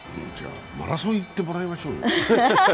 マラソン行ってもらいましょうよ。